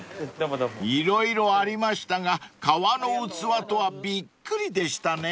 ［色々ありましたが革の器とはびっくりでしたね］